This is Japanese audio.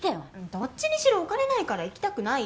どっちにしろお金ないから行きたくない。